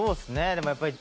でもやっぱり。